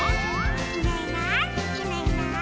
「いないいないいないいない」